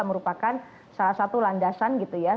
merupakan salah satu landasan gitu ya